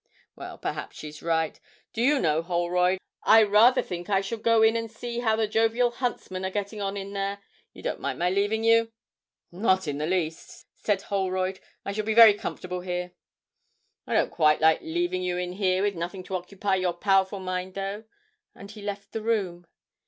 Well, perhaps she's right. Do you know, Holroyd, I rather think I shall go in and see how the jovial huntsmen are getting on in there. You don't mind my leaving you?' 'Not in the least,' said Holroyd; 'I shall be very comfortable here.' 'I don't quite like leaving you in here with nothing to occupy your powerful mind, though,' and he left the room.